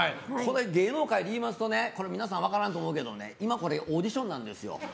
芸能界で言いますとね皆さん、分からんと思うけどこれ、オーディションなんです。